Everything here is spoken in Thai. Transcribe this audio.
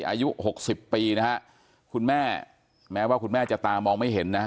อายุหกสิบปีนะฮะคุณแม่แม้ว่าคุณแม่จะตามองไม่เห็นนะฮะ